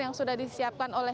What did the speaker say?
yang sudah disediakan